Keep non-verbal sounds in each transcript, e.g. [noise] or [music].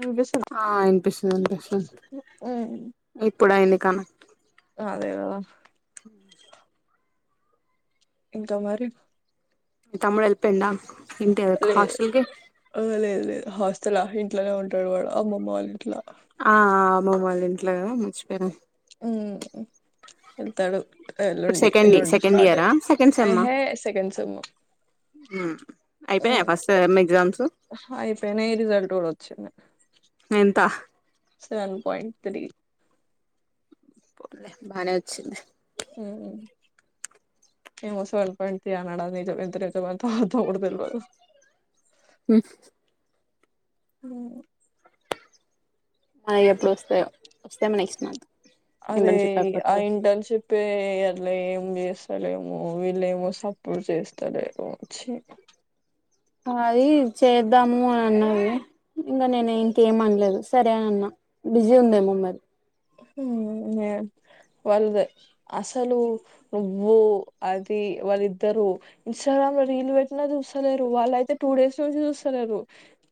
In బిసుందా ఆ వినిపిస్తుంది వినిపిస్తుంది ఉ ఉహ్ ఇప్పుడు అయింది కనెక్ట్ అదేగా ఇంకా మరి మీ తమ్ముడు ఏళ్ళిపేండా ఇంటియాదక్ లే హాస్టల్కి. లేదు లేదు హాస్టలా ఇంట్లనే ఉంటడు వాడు అమ్మమ్మ వాళ్ ఇట్లా. అమ్మమ్ వాళ్ళ ఇంట్లా గదా మర్చిపోయనా ఉహుహ్ ఏళ్తాడు. ఇప్పుడు ఎల్లుండి సెకండ్ ఎల్లుండి సెకండ్ స్టార్ ఇయరా అయ్ సెకండ్ సెమ్ ఆ ఏహే సెకండ్ సేము అయిపోయాయా హుహ్ ఫస్ట్ సెమ్ ఎగ్జామ్స్ అయిపేనే ఈ రిజల్ట్ ఉడోత్ చును ఎంత సెవెన్ పయింట్ త్రీ పోలె బానే వచ్చింది. ఉహుహ్ ఏ వసాద్ వన్ పాయింట్ త్రీ అనడ్ అదే జరుత్ [inaudible] దేల్వదు ఉహ్ అయో అయ్ ఎప్పుడోస్తాయో వస్తేమ్ నెక్స్ట్ మంత్ అరే ఇంటర్న్షిప్ ఆ అయిపోతే ఇంటన్షిపే అట్లా ఏం ఇంగ్ గేస్తలేేమో వీళ్ళ ఏమో సపోర్ట్ చేస్తారమో వచ్చి అది చేద్దాము అని అన్నారు. ఇంగా నేన్ ఇంకేమన్ లేదు సరే అన్నా బిజీ ఉందేమో మరీ ఉహుహ్ మేడం వాళ్ళదే అసలు నువ్వు అది వాళ్ళిద్దరు ఇన్స్టా గంలో రీలు వెట్టినా జుసలేరు వాళ్ళైతే టూ డేస్ నుంచి జుసలేరు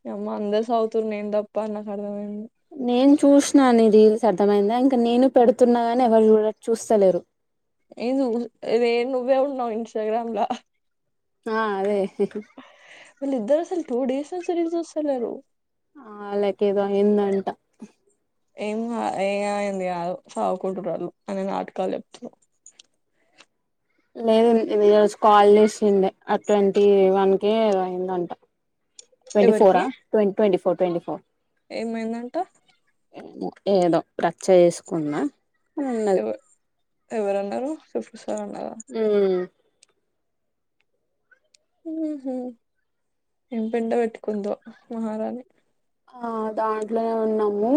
నీ అమ్మ అందరు సౌవుతుర్ నేన్ దప్పా నాక్ అర్వైంద్ నేన్ చూశనా నీ దిల్స్ అద్ తమైందా ఇంకా నేను పెడుతున్నా అనే ఎవరు చూ చూస్తలేరు. ఏ జవుదు ఇదే నువ్వే ఉన్నావు ఇన్స్టాగ్రామ్లా ఆ అదే వీళ్ళ ఇద్దరు అసలు టూ డేస్ నుంచి రీల్స్ చుసాలేరు. ఆ అలాకేదో ఏదో అయిందంటా ఏం గాద్ అయింది గాదు సవుకుంటూరు ఆళ్ళు అన్ని నాటకాలు జెప్తురు. లేదు నీన్ ఈ రోజ్ కాల్ జేచుండే అట్వంటీవ్ వానికి ఏదో అయిందంట. ట్వంటీ ఫోరా ట్వన్ ట్వంటీ ఫోర్ ఏమైందంటా ఏమో ఏదో రచ్చ ఏసుకున్నా అన్ ఉన్నద్ ఎవ ఎవరన్నారు సుపిస్తారన్నార్. ఉహు్ ఉహుహ్ ఏం పేండా వెట్టుకొందో మహారాణి. ఆ దాంట్లోనే ఉన్నాము.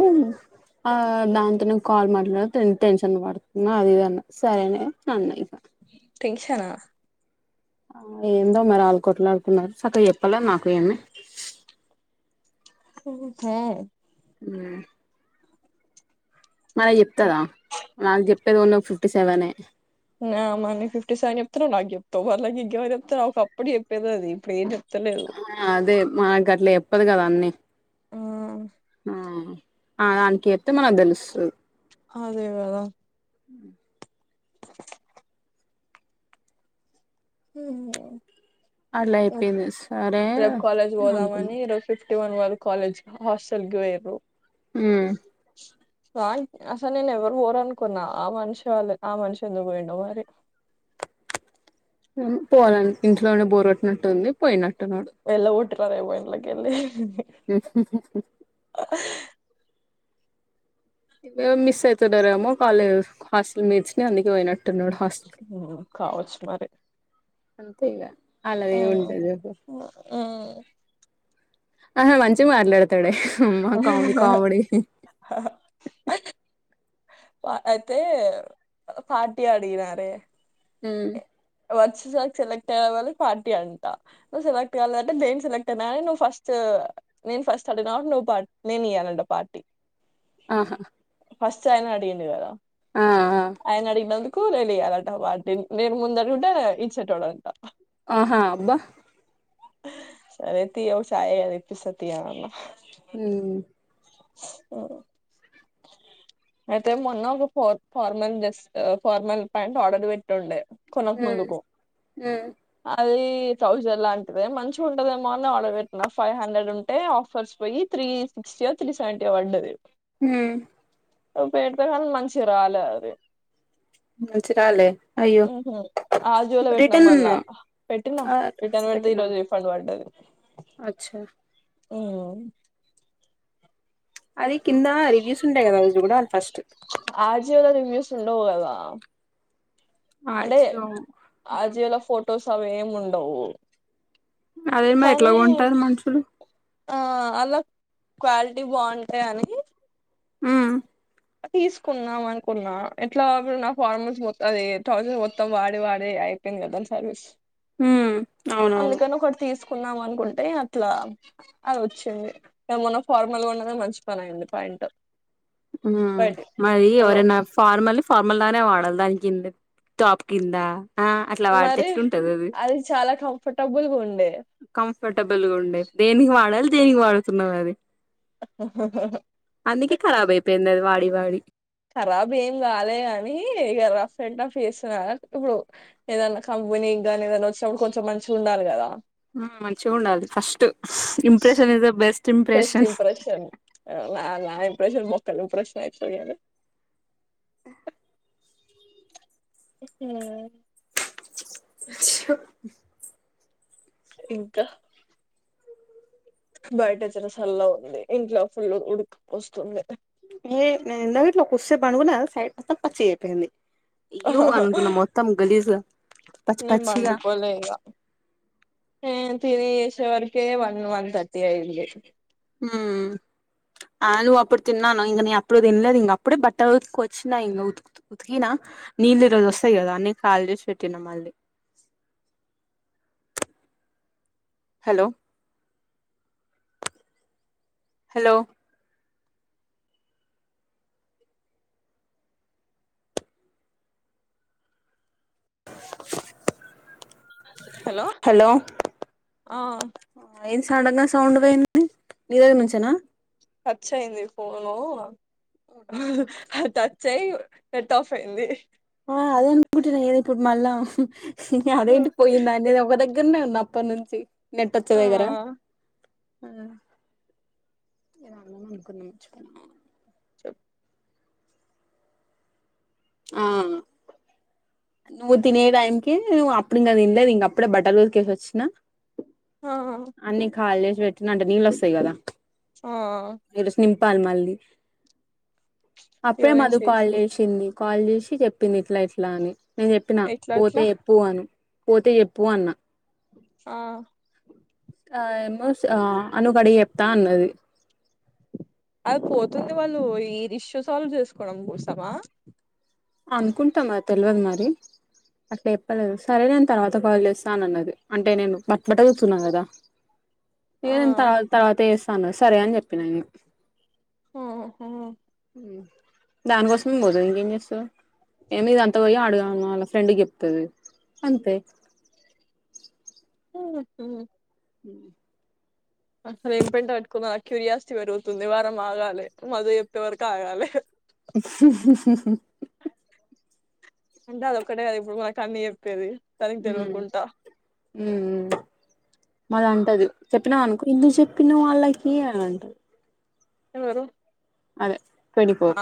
ఆ దాంతోనే కాల్ మాట్లాతు ఇంటెన్షన్ పడుతున్నా అదిదన్న సరే ఆ అన్న ఇంకా టెన్షనా ఆ ఏందో మరి ఆళ్లు కొట్లాడుకున్నారు సక్క చెప్పలే నాకు ఏమి. హుంతే వే మన ఏప్తడా నాగ్ జేప్పడ్ ఉన్న ఒక ఫిఫ్టీ సెవెన్ నా మన్న ఫిఫ్టీ సైన్ జెప్తునవ్ నాగ్ జెప్తావ్ అలాగే ఇంకెవర్ జెప్తావ్ అవ్ ఒక అప్పుడు జేప్పేది అది ఇప్పుడు ఏం జేప్ ఆ అదే మనగ్ గట్లా జేప్పదు గదా అన్నీ ఆహ్ ఆ నా దానికి ఏప్తే మనగ్ దేలుస్తుంది. అదే కదా అ అట్లా చెప్పింది సరే రేపు కాలేజీ అని అనుకున్నా పోదామని డ్రెస్ థిస్ తివన్ వాళ్లు కాలేజ్ హాస్టల్ కి పోయిర్రు ఆ ఆయ్ అసలు నేను ఎవరు పోరనుకున్నా ఆ మనిషి వాళ్లే ఆ మనిషి ఎందుకు పోయిండో మరి పోవాలని ఇంట్లోనే బోరు కొట్టినట్టుంది పోయినట్టు ఉన్నాడు ఇట్లా రే పోయిట్ల కెళ్ళి ఇవే మిస్ అయితుండారేమో కాలేజ్ హాస్టల్ మీర్చని అందుకే పోయినట్ ఆ కావచ్చు మరి అంతే ఇగ అలాది ఏం ఉంటది చెప్పు ఆ ఆహా మంచిగా మాట్లాడతాడే అమ్మ కామెడీ కామెడీ అయితే పార్టీ అడిగినారే ఆ వచ్చేసరికి సెలెక్ట్ అయ్యేవాళ్ళు పార్టీ అంటా సెలెక్ట్ కాలేదంటే అంటే నేను సెలెక్ట్ అయినని నువ్వు ఫస్ట్ నేను ఫస్ట్ అడిగ కాబట్టి నవ్వు నేను ఇయ్యాలనట పార్టీ ఆహా ఫస్ట్ ఆయన అడిగిండు కదా ఆ ఆ ఆయన అడిగినందుకు నేనియాలట వాటి నేను ముంద రొంటే ఇచ్చేటోడట ఆహా అబ్బా సరే తీ ఒక ఛాయ కదా ఇప్పిస్తా తీ అని అన్న హ ఓ అయితే మొన్న ఒక ఫార్ formal dress formal pant order పెట్టుండే కొనక ఉమ్ ముందుకు ఉమ్ అది థౌజండ్ లాంటిదే మంచిగా ఉంటదేమో అని ఆర్డర్ పెట్టిన ఫైవ్ హండ్రెడ్ ఉంటే ఆఫర్స్ పోయి three six years three seventy పడ్డది ఆ పెడితే కానీ మంచిగా రాలే అది మంచిరాలే అయ్యో ఆ జీలో పెట్టినాం రిటర్న్ మళ్ళా పెట్టినా ఆ రిటర్న్ పెట్ పెట్టినా ఈరోజు రిఫండ్ పడ్డది అచ్చా ఓ అది కింద రివ్యూస్ ఉంటాయి కదా అవి చూడాలి ఫస్ట్ ఆజియోలో రివ్యూస్ ఉండవు కదా అంటే అయ్యో ఆజీల ఫొటోస్ అవేమి ఉండవు అదేమా ఎట్లా కానీ కొంటారు మనుషులు ఆ అలా క్వాలిటీ బాగుంటాయి అని ఉ తీసుకున్నాం అనుకున్నా ఎట్లా నా ఫార్మల్స్ పోత్తది టస్ పోస్తాం వాడి వాడి అయిపోయింది కద దాని సర్వీస్ ఉమ్ అవునవును అందుకని ఒకటి తీసుకు కున్నాం అనుకుంటే అట్లా అది వచ్చింది ఏమన్నా ఫార్మల్ గా కొన్నదే మంచి పని అయింది పాయింట్ ఇంటర్ ఉ మరి ఎవరన్నా ఫార్మల్ ఫార్ మళ్ళానే వాడాలి దాని కింద టాప్ కింద ఆ అట్లా వాడితే మరి ఎట్లుంటది అది చాలా కంఫర్టబుల్గా ఉండే కంఫర్టబుల్ గా ఉండే దేనికి వాడాలి దేనికి పాడుతున్నారు అది ఆహా, హా హా! లేదు, వాడి వాడి. ఖరాబ్ ఏం గాలే గానీ, ఇగ రాఫెన్‌టాఫ్ జేస్తున్నారు గదా, ఇప్పుడు ఏదన్నా కంపెనీ. ఇంగానీ ఏదన్నా వచ్చినప్పుడు, కొంచెం మంచిగా ఉండాల గదా. మ్మ్ మంచిగా ఉండాలి first impression is the best best impression impression, నా నా ఇంప్రెషన్ బోత్. క్కలు ప్రశ్న అయిపోయింది. ఉమ్హు. అయ్యో! ఇంకా? బయట జర సల్లగా ఉంది, ఇంట్లో ఫుల్ ఉడికిపోస్తుంది. ఏ, నేను ఇందాక అట్ల కుసేప్ పండుకున గదా, సైడ్ మొత్తం పచ్చి అయిపోయింది. ఇయ్యో! అనుకున్న మొత్తం గలీజ్గా, పచ్చి నేను పచ్చిగా. పండుకోలే ఇగ నేను తిని చేసే వరకే, వన్ వన్ థర్టీ అయింది. ఉమ్మ్. ఆలు అప్పుడు తిన్నాను, ఇగ నే అప్పుడు తినలేదు. ఇంక అప్పుడే బట్టా ఉతికి వచ్చిన ఇగ ఉ ఉతికినా. నీళ్లు ఈరోజు వస్తాయి గదా, అన్ని కాల్ జేసి బెట్టిన మళ్లీ. హలో! హలో. Hello hello. ఆ ఏంది సడన్ గా సౌండ్ వేయింది. నీ దగ్గర నుంచేనా. టచ్ అయింది. ఫోను హీ హీ చేయు, నెట్ ఆఫ్ అయింది. ఆ అదే అనుకుంటున్నా, ఏది ఇప్పుడు మళ్ల అదేంటి పోయింద అంటే ఒక దగ్గర. దగ్గరనే ఉన్న అప్పటి నుంచి నెట్ వచ్చా? ఆ దగ్గర. ఆహా! ఏదో అందాం అనుకున్న మర్చిపోవున. చెప్? ఆ. నువ్వు తినే టైంకి నువ్ అప్పుడు ఇగా తినలేదు, ఇగ అప్పుడే బట్టలు ఉతికేసి వచ్చిన. ఆ అన్నీ ఖాళీ జేసి వేట్టిన అంటే, నీళ్లు వస్తాయి కదా? ఆ. చెప్పాలి? మళ్లీ అప్పుడే ఇరవై మధు నిమిషాలు కాల్ జేసింది. కాల్ జేసి జేప్పింది. ఇట్లా ఇట్లా అని నేను చెప్పిన ఎట్లా పోతే అట్లా ఎప్పు అను. పోతే జేప్పు అన్న. ఆ. ఆ ఏమో, అనుకాడిగి జేప్తా అన్నది అది పోతుంది వాళ్లు, ఈ రిష్యూ సాల్వ్ చేసుకోవడం కోసమా? అనుకుంటా మరి, తెల్వదు మరి. అట్లా చెప్పలేదు. సరేలే నేను తర్వాత కాల్ జేస్తా అన్నది అంటే, నేను బట్టలు ఉతుకుతూన్నా గదా. ఇగ ఆ నేను త తర్వాత జేస్తా అన్నది, సరే అని చెప్పిన ఇగ. ఉహూ హుం. మ్, దానికోసమే పోతారు ఇంకేం జేస్తారు. ఏమి ఇదంతా ఓయి అడగాల అలా ఫ్రెండ్ కి, జేప్తుంది అంతే. Kick kick. హుమ్ హ్మ్. ఉమ్మ్. అసలు ఏం పెంట పట్టుకుందా నా క్యూరియాసిటీ పెరుగుతుంది. వారం ఆగాలే మధు చెప్పే వరకు ఆగాలే. ఉహుం హు. అంటే అదొక్కటే కదా, ఇప్పుడు మనకి అన్నీ చెప్పేది. దానికి ఉమ్, తెలియకుండా మ్ మ్ మళ్ల అంటది! చెప్పినవు అనుకో. ఎందుకు? చెప్పినవు వాళ్లకి అంటాది. ఎవరు అదే ట్వంటీ ఫోర్ అ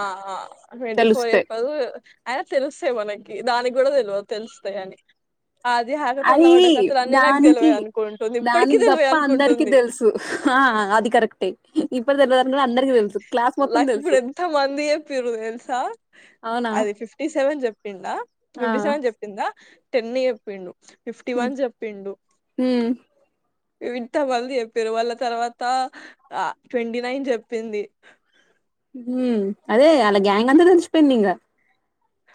ఆ ట్వంటి ఫోర్ తెలుస్తే చెప్పదు అయినా తెలుస్తాయి మనకి దానిక్ కూడ తెలివద్ తెలుస్తాయి అని అది ఆకత ఉన్న అది పడ్డకతలు అన్న నాకు దానికి తెలివదు అనుకుంటుంది ఇప్పటికి తేల్వై అనుకుంటుంది అ ఆ అది కరెక్టే ఇప్పుడు తెలిదని కూడా అందరికీ తెలుసు క్లాస్ మొత్తం లక్ ఇప్పుడు తెలుసు ఎంత మంది చెప్పిరు తెల్సా అవునా అది ఫిఫ్టీ సెవెన్ చెప్పిందా ఆ ఫిఫ్టీ సెవెన్ చెప్పిందా టెన్ చెప్పిండు ఫిఫ్టీ హ్మ్ వన్ చెప్పిండు హ్మ్ ఇవింత మంది చెప్పిరు వాళ్ళ తర్వాత ట్వంటీ నైన్ చెప్పింది ఉమ్ అదే అలా గ్యాంగ్ అంత తెలిసిపోయింద్ ఇగ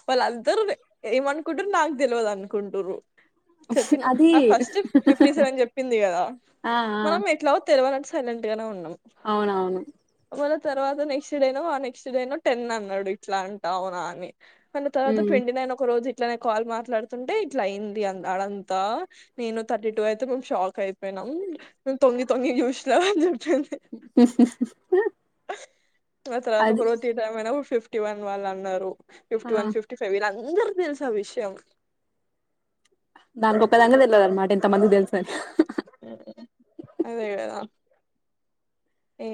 వాళ్లందరునె ఏమనుకుంటుర్ నాక్ తెల్వదు అనుకుంటురు చెప్పిన అది ఆ ఫస్ట్ ఫిఫ్టీ సెవెన్ చెప్పింది కదా ఆ ఆ మనం ఎట్ల తెలవానట్ సైలెట్గానే ఉన్నాం అవునవును మళ్ళ తర్వాత next day no next day no ten అన్నాడు ఇట్ల అంట అవునా అని మళ్ళీ తరువాత హ్మ్ ట్వంటీ నైన్ ఒక రోజి ఇట్లానే కాల్ మాట్లాడుతుంటే ఇట్లా అయింది అ అడంతా నేను థర్టీ టూ అయితే మేము షాక్ అయిపోయిన నౌన్ తొంగి తొంగి చూసిన [inaudible] ఆ తర్వాత ఒక అది రోజ్ టీ టైం అ ఫిఫ్టీ వన్ వాళ్ళు అన్నారు ఆ ఫిఫ్టీ వన్ ఫిఫ్టీ ఫైవ్ వీళ్ళంత్ అందార్క్ తేల్స్ ఆ విషయం దాన్క్ ఒక్కదానికే తేల్వద్ అన్మాట ఇంత మందికి తెలుసు అని అదే కదా ఏ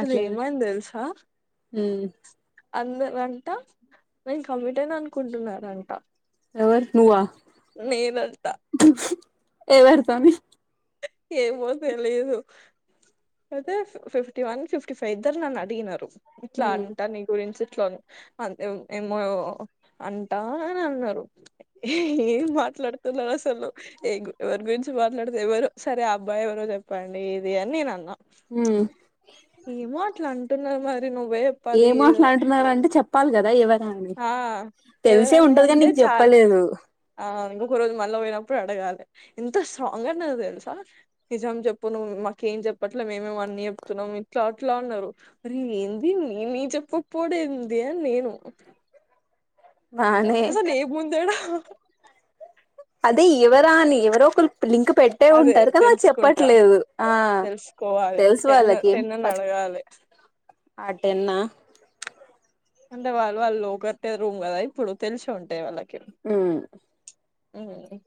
అట్లే తెలుసా హ్మ్ అందర్ అంట నేన్ కమిటెడ్ అనుకుంటున్నారాంట ఎవర్ నువ్వా నేనంట ఎవర్తోని ఏమో తేలీదు అయితే ఫిఫ్టీ వన్ ఫిఫ్టీ ఫైవ్ ఇద్దరు నన్ను అడిగినారు ఇట్లా హ్మ్ అంటా నీ గురించి ట్లోన్ అదే ఏమో అంటా అని అన్నారు ఎం మాట్ ట్లడ్తున్నార్ అసలు ఏ ఎవరి గురించి మాట్లాడితే ఎవరు సరే ఆ అబ్బాయి ఎవరో చెప్పండి ఇది అని నేనన్న హ్మ్ ఏమో అట్లంటున్నారు మరి నువ్వే చెప్పాలి ఏమో అట్లాంటున్నార్ అంటే చెప్పాలి కదా ఎవరా అని ఆ తెలిసే ఉంటది కాని ఎవరన్నారంటే నీక్ చెప్ చాలా చెప్పలేదు ఆ నువ్కొరోజు మళ్ళపోయినప్పుడు అడగాలి ఇంత స్ట్రాంగ్ అనేది తెలుస అ నిజం చెప్పు నువ్ మాక ఏం చెప్పట్లే మేమేం అన్ని చెప్తున్నాం ఇట్లా అట్లా అన్నారు. అరే ఏంది నేన్ ఏం చెప్పక్పోడెంది అని నేను బానే అసల్ ఏముందడా అదే ఎవరా అని ఎవరో ఒకుల్ లింక్ పెట్టే అదే ఉంటారు కదా అది తెలుసుకుంటా చెప్పట్లేదు ఆ తెలుసు వాళ్ళకి ఏం పచ్ ఆలే అట్టేన్నా అంటే వాళ్ళు వాళ్ళు లో కట్టే రూమ్ కదా ఇప్పుడు తెలిసే ఉంటాయి వాళ్ళక్ ఉమ్ ఉమ్హ్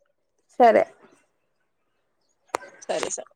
సరే సరే సర్